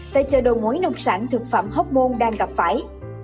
tại chợ đầu mối nông sản thực phẩm hoc mon đang gặp phải